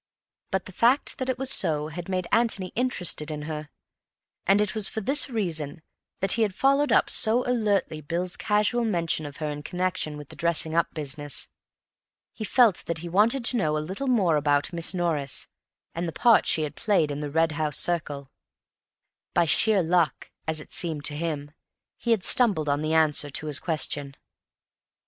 But the fact that it was so had made Antony interested in her; and it was for this reason that he had followed up so alertly Bill's casual mention of her in connection with the dressing up business. He felt that he wanted to know a little more about Miss Norris and the part she had played in the Red House circle. By sheer luck, as it seemed to him, he had stumbled on the answer to his question.